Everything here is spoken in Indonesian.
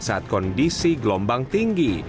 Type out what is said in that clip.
saat kondisi gelombang tinggi